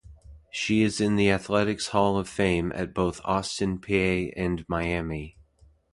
She is in the Athletics Hall of Fame at both Austin Peay and Miami.